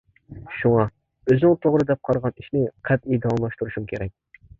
شۇڭا، ئۆزۈڭ توغرا دەپ قارىغان ئىشنى قەتئىي داۋاملاشتۇرۇشۇڭ كېرەك.